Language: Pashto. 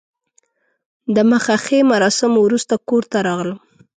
د مخه ښې مراسمو وروسته کور ته راغلم.